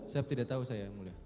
saya tidak tahu